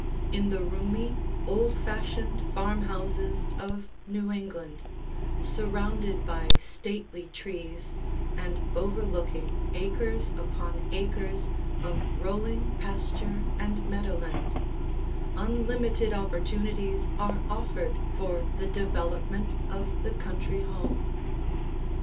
In the roomy, old fashioned farmhouses of New England, surrounded by stately trees and overlooking acres upon acres of rolling pasture and meadow land, unlimited opportunities are offered for the development of the country home.